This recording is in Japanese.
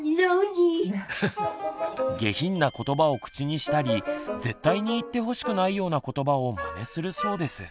下品なことばを口にしたり絶対に言ってほしくないようなことばをまねするそうです。